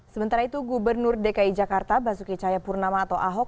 sementara itu gubernur dki jakarta basuki cahayapurnama atau ahok